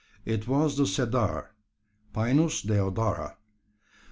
It was the cedar (Pinus deodara).